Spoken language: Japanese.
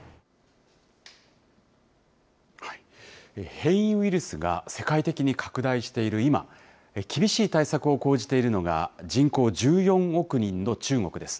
変異ウイルスが世界的に拡大している今、厳しい対策を講じているのが、人口１４億人の中国です。